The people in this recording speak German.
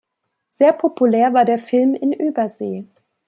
Sehr populär war der Film in Übersee.